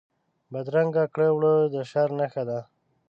بدرنګه کړه وړه د شر نښه ده